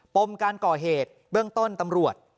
ปมการก่อเหตุเบื้องต้นตำรวจ